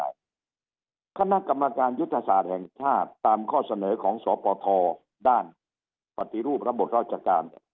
คณะกรรมการยุทธศาสตร์แห่งชาติตามข้อเสนอของสปทด้านปฏิรูประบบราชการ